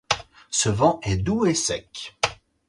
Ce vent est doux et sec.